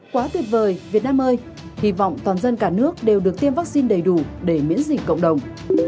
quá tuyệt vời việt nam ơi hy vọng toàn dân cả nước đều được tiêm vaccine đầy đủ để miễn dịch cộng đồng